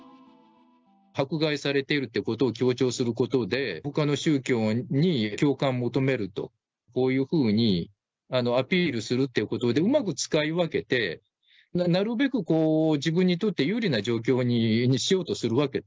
迫害されているということを強調することで、ほかの宗教に共感を求めると、こういうふうにアピールするということで、うまく使い分けて、なるべくこう、自分にとって有利な状況にしようとするわけ。